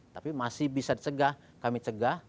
tapi masih bisa dicegah kami cegah